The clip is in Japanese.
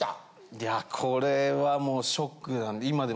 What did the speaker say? いやこれはもうショックなんで。